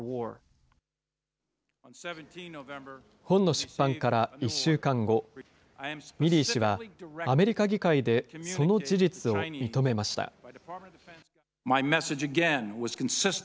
本の出版から１週間後、ミリー氏は、アメリカ議会でその事実を認めました。